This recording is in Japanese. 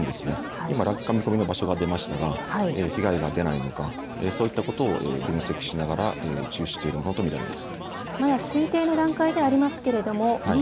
今、落下見込みの場所が出ましたが被害が出ないのかそういったことを分析しながら分析していると見られます。